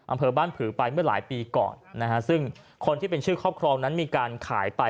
อำเภอบ้านผือไปเมื่อหลายปีก่อนนะฮะซึ่งคนที่เป็นชื่อครอบครองนั้นมีการขายไป